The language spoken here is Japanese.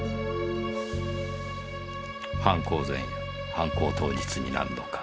犯行前夜犯行当日に何度か。